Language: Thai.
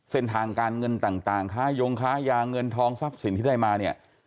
เส้นทางการเงินต่างค้ายงค้ายาเงินทองทรัพย์สินที่ได้มาเนี่ย